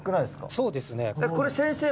そうですね。